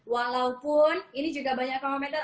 walaupun ini juga banyak kalau metal